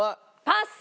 パス！